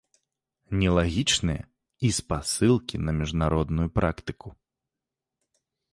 Нелагічныя і спасылкі на міжнародную практыку.